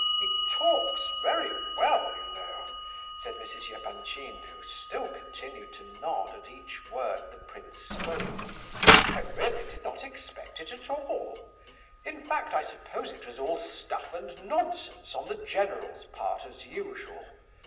"He talks very well, you know!" said Mrs. Epanchin, who still continued to nod at each word the prince spoke. "I really did not expect it at all; in fact, I suppose it was all stuff and nonsense on the general's part, as usual.